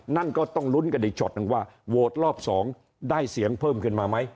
นั่นก็ต้องลุ้นกันอีกช็อตหนึ่งว่าโหวตรอบ๒ได้เสียงเพิ่มขึ้นมาไหม